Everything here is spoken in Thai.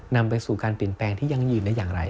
นำไปสู่การเปลี่ยนแปลงที่ยั่งยืนได้อย่างไร